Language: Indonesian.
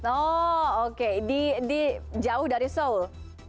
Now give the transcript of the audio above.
oh oke jauh dari seoul